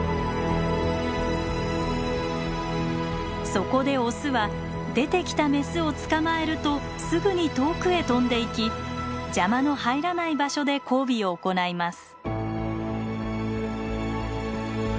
そこでオスは出てきたメスを捕まえるとすぐに遠くへ飛んでいき邪魔の入らない場所で交尾を行います。